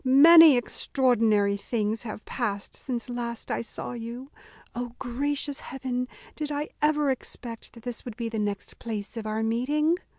many extraordinary things have passed since last I saw you. O gracious heaven! did I ever expect that this would be the next place of our meeting?"